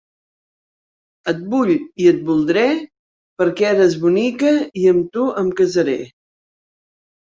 Et vull i et voldré, perquè eres bonica i amb tu em casaré.